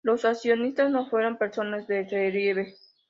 Los accionistas no fueron personas de relieve.